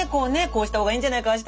こうした方がいいんじゃないかあ